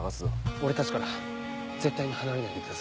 俺たちから絶対に離れないでください。